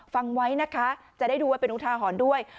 ฟังไว้นะคะจะได้ดูไว้เป็นอุทาหรณ์ด้วย